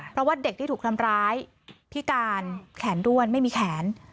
เพราะว่าเด็กที่ถูกทำร้ายพิการแขนด้วนไม่มีแขน